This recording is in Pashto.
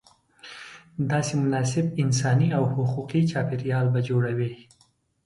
داسې مناسب انساني او حقوقي چاپېریال به جوړوې.